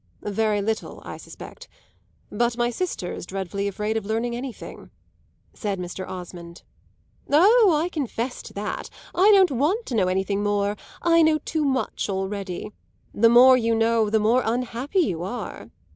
"Very little, I suspect. But my sister's dreadfully afraid of learning anything," said Mr. Osmond. "Oh, I confess to that; I don't want to know anything more I know too much already. The more you know the more unhappy you are."